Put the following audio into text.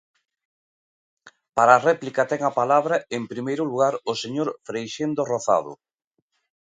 Para a réplica ten a palabra, en primeiro lugar, o señor Freixendo Rozado.